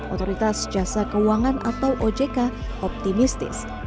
otoritas jasa keuangan atau ojk optimistis